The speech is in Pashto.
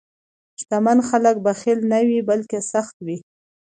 شتمن خلک بخیل نه وي، بلکې سخي وي.